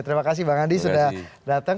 terima kasih bang andi sudah datang